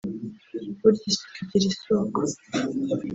Burya isuku igira isoko